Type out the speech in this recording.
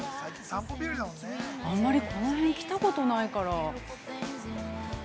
あんまりこの辺来たことないから。